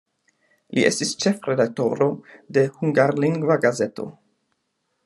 Li estis ĉefredaktoro de hungarlingva gazeto.